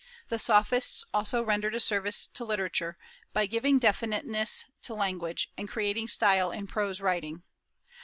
The Sophists also rendered a service to literature by giving definiteness to language, and creating style in prose writing.